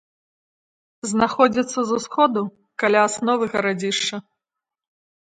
Знаходзіцца з усходу каля асновы гарадзішча.